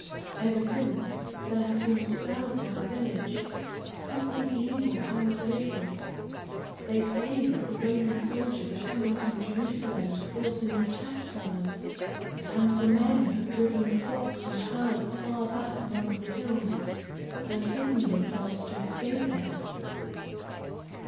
Ever since, there has been a spell upon the village; something evil hangs over it. They say that the Roman soldiers are coming from Jerusalem to force a new tax from us, and the men have driven the flocks and herds far back among the hills, and hidden themselves to escape it."